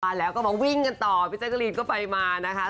มาแล้วก็มาวิ่งกันต่อพี่แจ๊กรีนก็ไปมานะคะ